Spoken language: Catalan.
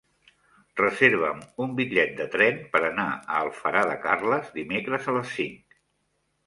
Reserva'm un bitllet de tren per anar a Alfara de Carles dimecres a les cinc.